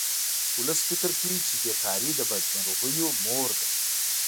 ولس فکر کوي چې بې کاري د بدمرغیو مور ده